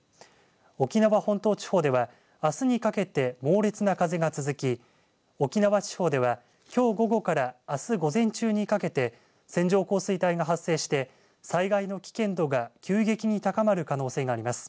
沖縄本島地方ではあすにかけて猛烈な風が続き沖縄地方ではきょう午後からあす午前中にかけて線状降水帯が発生して災害の危険度が急激に高まる可能性があります。